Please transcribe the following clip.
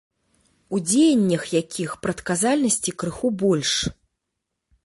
У дзеяннях якіх прадказальнасці крыху больш.